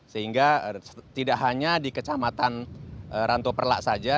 sehingga tidak hanya di kecamatan ranto perlak saja